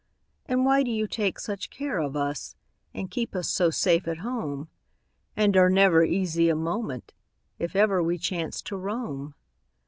And why do you take such care of us, And keep us so safe at home, And are never easy a moment If ever we chance to roam?